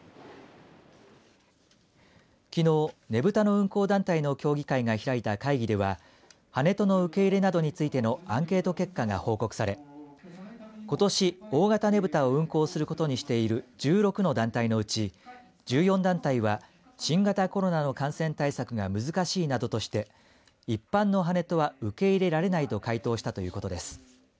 きのう、ねぶたの運行団体の協議会が開いた会議ではハネトの受け入れなどについてのアンケート結果が報告されことし大型ねぶたを運行することにしている１６の団体のうち１４団体は新型コロナの感染対策が難しいなどとして一般のハネトは受け入れられないと回答したということです。